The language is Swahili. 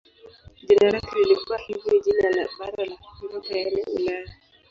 Jina lake lilikuwa hivyo jina la bara la Europa yaani Ulaya.